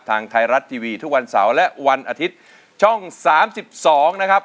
ทางไทยรัฐทีวีทุกวันเสาร์และวันอาทิตย์ช่อง๓๒นะครับ